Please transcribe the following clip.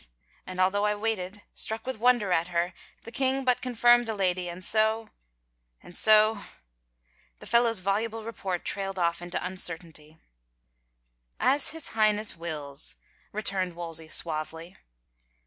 ' and although I waited, struck with wonder at her, the king but confirmed the lady and so — and — so —" the fellow's voluble report trailed off into imcertainty. " As his Highness wills," returned Wolsey suavely.